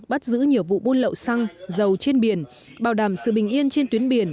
bắt giữ nhiều vụ buôn lậu xăng dầu trên biển bảo đảm sự bình yên trên tuyến biển